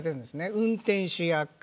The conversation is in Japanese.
運転手役